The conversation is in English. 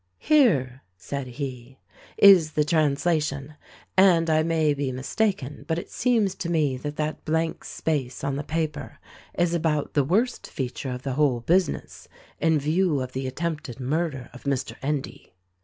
"Here," said he, "is the translation, and, I may be mis taken but, it seems to me that that blank space on the paper is about the worst feature of the whole business— in view of the attempted murder of Mr. Endy."